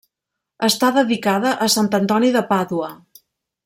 Està dedicada a Sant Antoni de Pàdua.